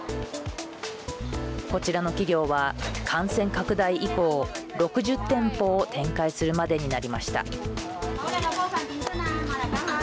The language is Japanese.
こちらの企業は感染拡大以降６０店舗を展開するまでになりました。